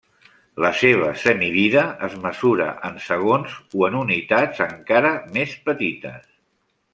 La seva semivida es mesura en segons o en unitats encara més petites.